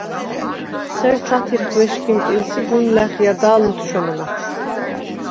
სერ ჩვათირხ ვეშგიმპილს ი გუნ ლა̈ხიადა̄ლ ოთჩვემნახ.